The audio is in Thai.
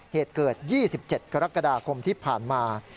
เหตุเกิด๒๗กรกฎาคมที่ผ่านมา